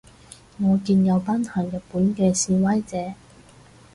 我見有班喺日本嘅示威者